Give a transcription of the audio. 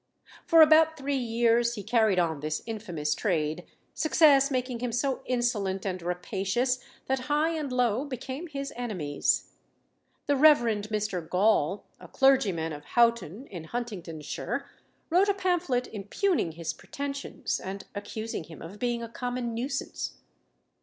For about three years he carried on this infamous trade, success making him so insolent and rapacious that high and low became his enemies. The Rev. Mr. Gaul, a clergyman of Houghton, in Huntingdonshire, wrote a pamphlet impugning his pretensions, and accusing him of being a common nuisance.